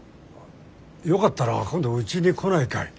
よかったら今度うちに来ないかい？